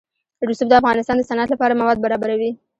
رسوب د افغانستان د صنعت لپاره مواد برابروي.